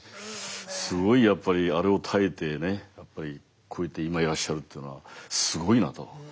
すごいやっぱりあれを耐えてねこうやって今いらっしゃるっていうのはすごいなと。